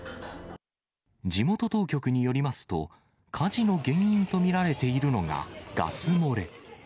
地元当局によりますと、火事の原因と見られているのが、ガス漏れ。